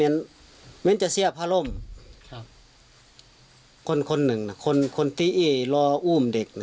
ไม่งั้นไม่งั้นจะเสื้อพาร่มครับคนคนหนึ่งน่ะคนคนที่รออุ้มเด็กน่ะ